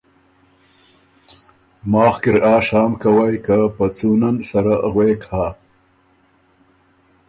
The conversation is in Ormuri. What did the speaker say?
ماخ کی ر آر شام کوئ که په څُون (مهر) ان سره غوېک هۀ“